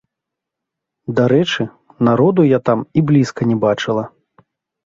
Дарэчы, народу я там і блізка не бачыла.